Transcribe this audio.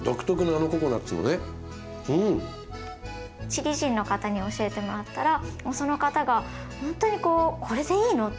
チリ人の方に教えてもらったらその方がほんとにこう「これでいいの？